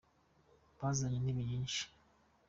Bazanye intebe nyinshi.